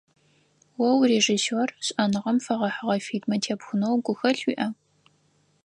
О урежиссер, шӏэныгъэм фэгъэхьыгъэ фильмэ тепхынэу гухэлъ уиӏа?